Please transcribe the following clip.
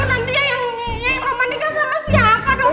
aduh nanti ya yang roman nikah sama siapa dong